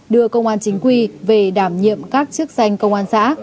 đưa công an chính quy về đảm nhiệm các chức danh công an xã